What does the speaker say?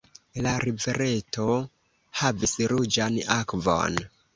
La rivereto havis ruĝan akvon.